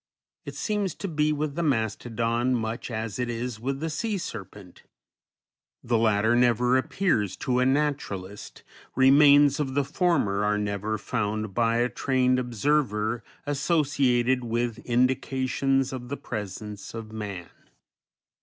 It seems to be with the mastodon much as it is with the sea serpent; the latter never appears to a naturalist, remains of the former are never found by a trained observer associated with indications of the presence of man.